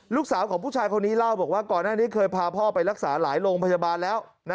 ลูกสาวของผู้ชายคนนี้เล่าบอกว่าก่อนหน้านี้เคยพาพ่อไปรักษาหลายโรงพยาบาลแล้ว